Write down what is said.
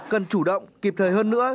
cần chủ động kịp thời hơn nữa